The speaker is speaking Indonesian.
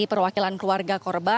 yang berhasil diberangkatkan ke jakarta